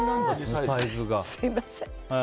すみません。